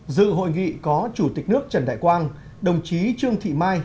dự hội nghị có chủ tịch nước trần đại quang đồng chí trương thị mai